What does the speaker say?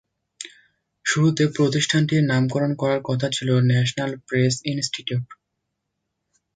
শুরুতে প্রতিষ্ঠানটির নামকরণ করার কথা ছিল ন্যাশনাল প্রেস ইনস্টিটিউট।